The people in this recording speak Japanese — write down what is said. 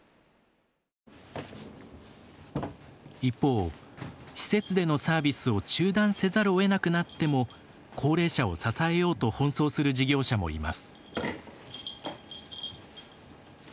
一方、施設でのサービスを中断せざるをえなくなっても高齢者を支えようと奔走する事業者もいます。